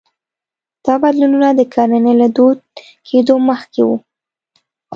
دا بدلونونه د کرنې له دود کېدو مخکې وو